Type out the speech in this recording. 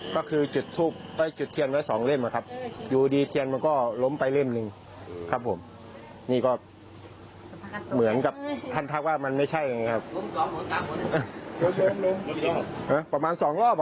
ก็คือมันเกลียดเหมือนรางสังหรณ์ครับว่ามันไม่ใช่ครับ